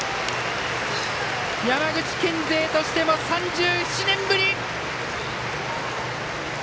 山口県勢としても３７年ぶり！